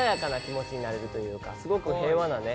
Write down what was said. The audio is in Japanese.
すごく平和なね